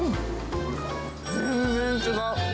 全然違う。